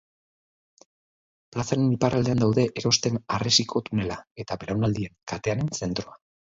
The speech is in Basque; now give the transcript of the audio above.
Plazaren iparraldean daude Erosten harresiko tunela eta Belaunaldien Katearen Zentroa.